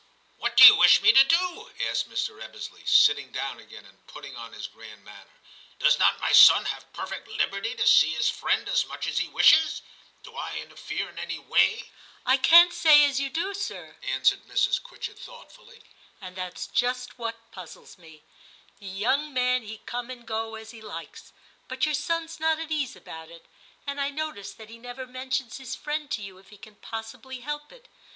* What do you wish me to do }' asked Mr. Ebbesley, sitting down again and putting on his grand manner. * Does not my son have perfect liberty to see his friend as much as he wishes } Do I interfere in any way }' XI TIM 2SI * I can't say as you do, sir,' answered Mrs. Quitchett thoughtfully, 'and that's just what puzzles me. The young man he come and go as he likes, but your son's not at ease about it ; and I notice that he never mentions his friend to you if he can possibly help it.